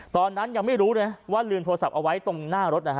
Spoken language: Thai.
ตอนนั้นยังไม่รู้เลยว่าลืมโทรศัพท์เอาไว้ตรงหน้ารถนะฮะ